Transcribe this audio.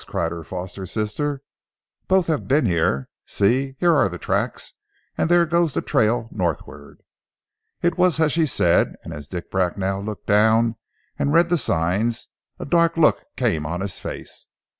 cried her foster sister. "Both have been here! See, here are the tracks, and there goes the trail northward!" It was as she said, and as Dick Bracknell looked down and read the signs a dark look came on his face.